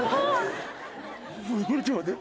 ちょっと待って。